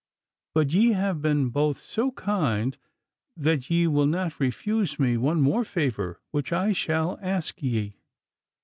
But ye have both been so kind that ye will not refuse me one other favour which I shall ask ye?